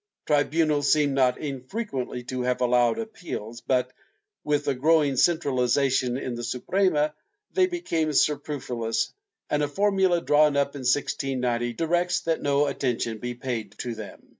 * Tribunals seem not infrequently to have allowed appeals, but, with the growing centrahzation in the Suprema, they became superfluous and a formula, drawn up in 1690, directs that no attention be paid to them.